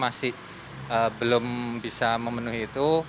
masih belum bisa memenuhi itu